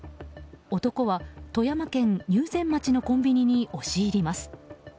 男は富山県入善町のコンビニに押し入ります。